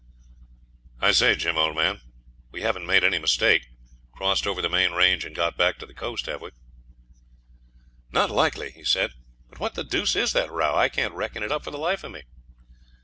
'I say, Jim, old man, we haven't made any mistake crossed over the main range and got back to the coast, have we?' 'Not likely,' he said; 'but what the deuce is that row? I can't reckon it up for the life of me.'